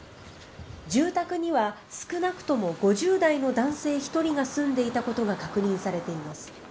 住宅には少なくとも５０代の男性１人が住んでいたことが確認されています。